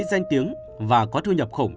danh tiếng và có thu nhập khủng